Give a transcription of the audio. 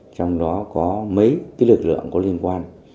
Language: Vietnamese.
trong đó có mấy lực lượng có liên quan